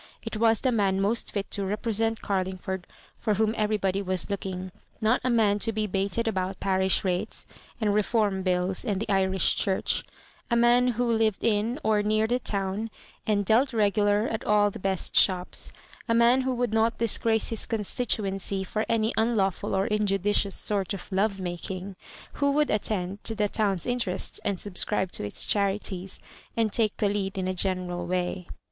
It was the man most fit to represent Carlingford for whom everybody was looking, not a man to be baited about parish rates and Reform Bills and the Irish Church — a man who lived in, or near the town, and " dealt regu lar" at all the best shops ; a man who would not disgrace his constituency by any unlawful or in judicious sort of love making — who would attend to the town's interest and subscribe to its charities, and take the lead in a general way.